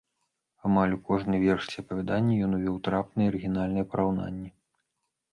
Амаль у кожны верш ці апавяданне ён увёў трапныя і арыгінальныя параўнанні.